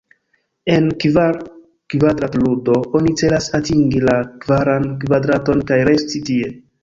En Kvar-kvadrat-ludo, oni celas atingi la kvaran kvadraton, kaj resti tie.